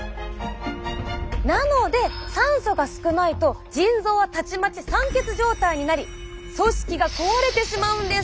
なので酸素が少ないと腎臓はたちまち酸欠状態になり組織が壊れてしまうんです。